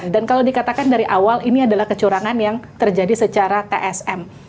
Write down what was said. dan kalau dikatakan dari awal ini adalah kecurangan yang terjadi secara tsm